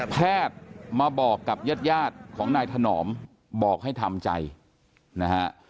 แพทย์มาบอกกับญาติยาดของนายถนอมบอกให้ทำใจนะฮะ